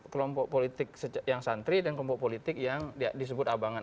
kelompok politik yang santri dan kelompok politik yang disebut abangan